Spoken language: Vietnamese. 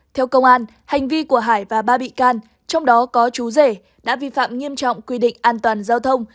theo công an hành vi của hải và ba bị can trong đó có chú rể đã vi phạm nghiêm trọng quy định an toàn giao thông